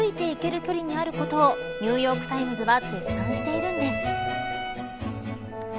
距離にあることをニューヨーク・タイムズは絶賛しているんです。